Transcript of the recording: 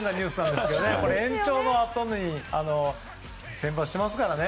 でも延長のあと先発してますからね。